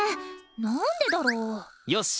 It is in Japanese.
なんでだろう？よし！